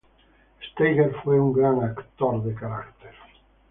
Steiger fue un gran actor de carácter.